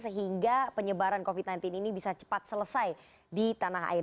sehingga penyebaran covid sembilan belas ini bisa cepat selesai di tanah air